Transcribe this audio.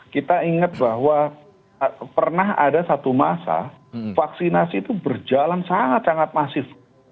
kita ingat bahwa pernah ada satu masa vaksinasi itu berjalan sangat sangat masif